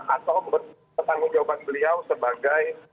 atau pertanggung jawaban beliau sebagai